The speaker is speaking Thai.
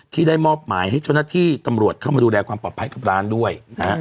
ที่ได้มอบหมายให้เจ้าหน้าที่ตำรวจเข้ามาดูแลความปลอดภัยกับร้านด้วยนะฮะ